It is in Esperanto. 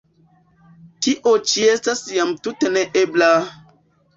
Tio ĉi estas jam tute ne ebla!